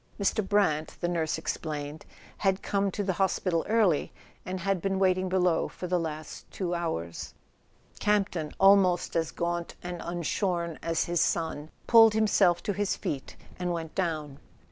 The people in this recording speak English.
Mr. Brant, the nurse ex¬ plained, had come to the hospital early, and had been waiting below for the last two hours. Camp ton, almost as gaunt and unshorn as his son, pulled himself to his feet and went down.